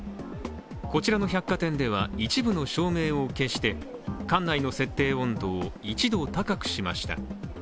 こちらの百貨店では、一部の照明を消して館内の設定温度を１度高くしました。